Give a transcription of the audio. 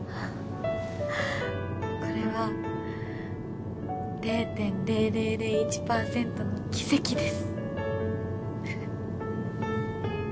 これは０．０００１パーセントの奇跡です